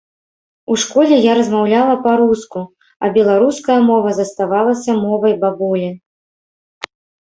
У школе я размаўляла па-руску, а беларуская мова заставалася мовай бабулі.